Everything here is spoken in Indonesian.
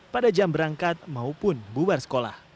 pada jam berangkat maupun bubar sekolah